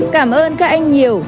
cảm ơn các anh nhiều